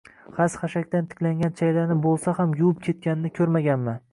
xas-xashakdan tiklangan chaylani bo’lsa ham yuvib ketganini ko’rmaganman